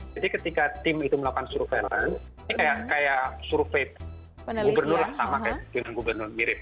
jadi ketika tim itu melakukan surveillance ini kayak survei gubernur sama kayak dengan gubernur mirip